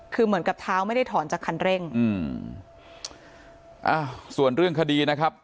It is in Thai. คือเหมือนกับเท้าไม่ได้ถอนจากคันเร่งอืมอ่าส่วนเรื่องคดีนะครับ